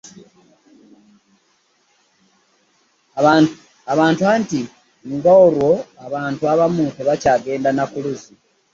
Abantu anti ng'olwo abantu abamu tebakyagenda na ku luzzi.